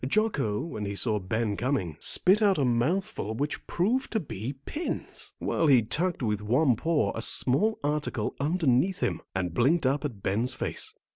Jocko, when he saw Ben coming, spit out a mouthful which proved to be pins, while he tucked with one paw a small article underneath him, and blinked up in Ben's face.